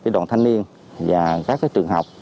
với đoàn thanh niên và các trường học